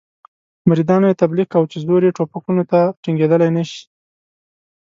مریدانو یې تبلیغ کاوه چې زور یې ټوپکونو ته ټینګېدلای نه شي.